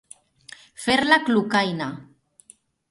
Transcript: Fer la clucaina.